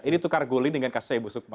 ini tukar guling dengan kasusnya ibu sukma